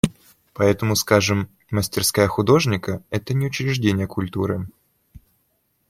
Поэтому, скажем, мастерская художника – это не учреждение культуры.